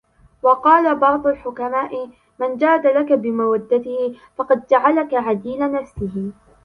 وَقَالَ بَعْضُ الْحُكَمَاءِ مَنْ جَادَ لَك بِمَوَدَّتِهِ ، فَقَدْ جَعَلَك عَدِيلَ نَفْسِهِ